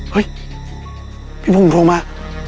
เฮ้ยพี่พุ่งโทรมา